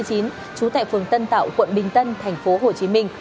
trú tại phường tân tạo quận bình tân tp hcm